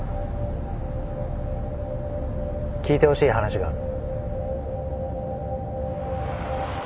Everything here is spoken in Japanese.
聞いてほしい話がある。